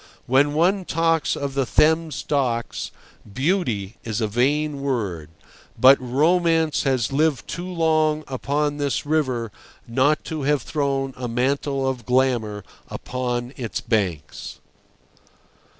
When one talks of the Thames docks, "beauty" is a vain word, but romance has lived too long upon this river not to have thrown a mantle of glamour upon its banks.